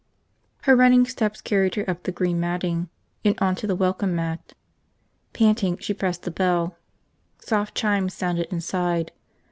Her running steps carried her up the green matting and on to the welcome mat. Panting, she pressed the bell. Soft chimes sounded inside.